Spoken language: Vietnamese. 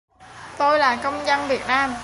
tôi là công dân việt nam